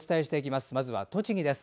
まずは栃木です。